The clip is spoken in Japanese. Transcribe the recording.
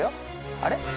あれ？